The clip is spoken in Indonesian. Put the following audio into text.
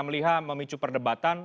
saya melihat memicu perdebatan